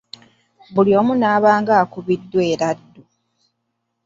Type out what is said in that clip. Buli omu n'aba ng'akubiddwa eraddu.